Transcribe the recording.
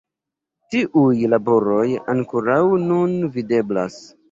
Tiuj laboroj ankoraŭ nun videblas.